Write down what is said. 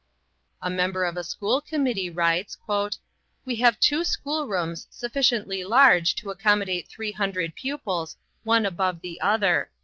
A member of a school committee writes, "We have two school rooms sufficiently large to accommodate three hundred pupils, one above the other."